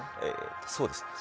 そうですね。